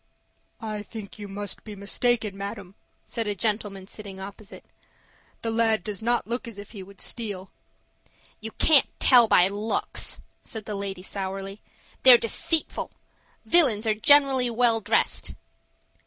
"I think you must be mistaken, madam," said a gentleman sitting opposite. "The lad does not look as if he would steal." "You can't tell by looks," said the lady, sourly. "They're deceitful; villains are generally well dressed."